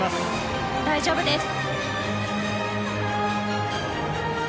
大丈夫です。